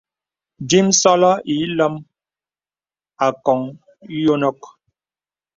Dīmə̄sɔlɔ ilom àkɔ̀n yònok.